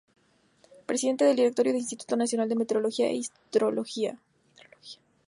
Presidente del Directorio del Instituto Nacional de Meteorología e Hidrología.